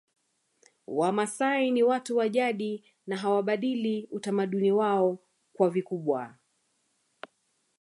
Wamasai ni watu wa jadi na hawabadili utamaduni wao kwa vikubwa